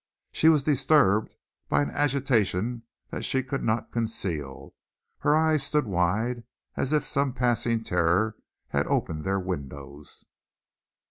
She was disturbed by an agitation that she could not conceal; her eyes stood wide as if some passing terror had opened their windows.